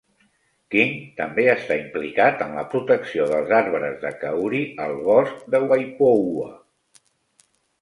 King també està implicat en la protecció dels arbres de kauri al bosc de Waipoua.